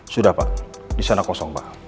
sudah pak di sana kosong pak